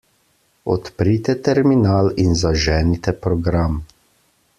Odprite terminal in zaženite program.